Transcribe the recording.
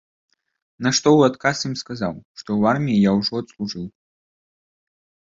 На што ў адказ ім сказаў, што ў арміі я ўжо адслужыў.